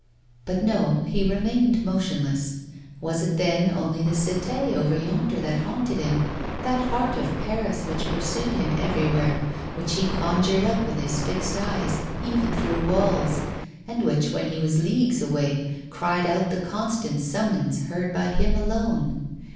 But no; he remained motionless. Was it then only the Cité over yonder that haunted him, that heart of Paris which pursued him everywhere, which he conjured up with his fixed eyes, even through walls, and which, when he was leagues away, cried out the constant summons heard by him alone?